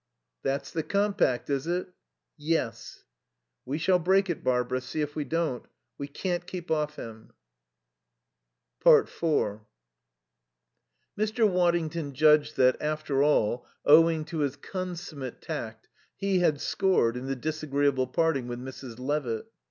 "That's the compact, is it?" "Yes." "We shall break it, Barbara; see if we don't. We can't keep off him." 4 Mr. Waddington judged that, after all, owing to his consummate tact, he had scored in the disagreeable parting with Mrs. Levitt.